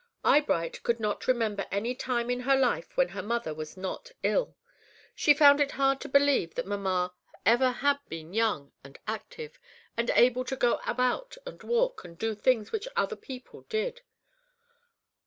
Eyebright could not remember any time in her life when her mother was not ill. She found it hard to believe that mamma ever had been young and active, and able to go about and walk and do the things which other people did.